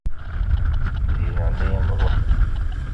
Di leɛnaya-m ṛuḥ-d.